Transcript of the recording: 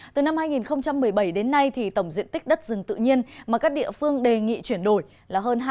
từ năm hai nghìn một mươi bảy đến nay thì tổng diện tích đất rừng tự nhiên mà các địa phương đề nghị chuyển đổi là hơn hai mươi